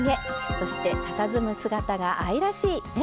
そしてたたずむ姿が愛らしいね